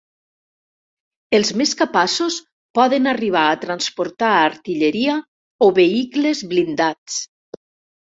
Els més capaços poden arribar a transportar artilleria o vehicles blindats.